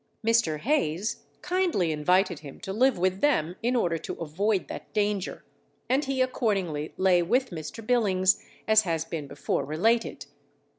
Mr. Hayes kindly invited him to live with them in order to avoid that danger, and he accordingly lay with Mr. Billings, as has been before related.